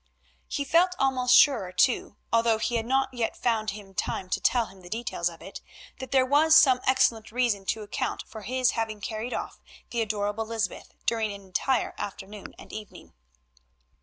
He felt almost sure too, although he had not yet found time to tell him the details of it, that there was some excellent reason to account for his having carried off the adorable Lysbeth during an entire afternoon and evening.